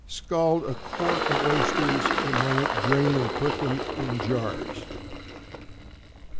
Scald a quart of oysters a moment, drain, and put them in jars.